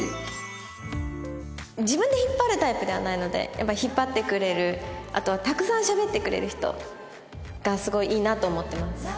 自分で引っ張るタイプではないのでやっぱ引っ張ってくれるあとはたくさんしゃべってくれる人がすごいいいなと思ってます。